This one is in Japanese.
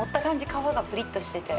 皮がプリっとしてて。